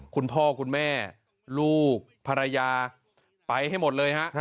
คุณพ่อคุณแม่ลูกภรรยาไปให้หมดเลยฮะ